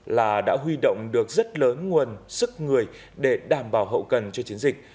là đã huy động được rất lớn nguồn sức người để đảm bảo hậu cần cho chiến dịch